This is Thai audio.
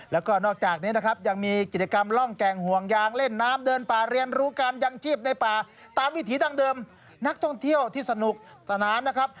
แล้วก็นอกจากนี้นะครับยังมีกิจกรรมร่องแก่งห่วงยางเล่นน้ำเดินป่าเรียนรู้การยังชีพในป่าตามวิถีดังเดิมนักท่องเที่ยวที่สนุกสนานนะครับ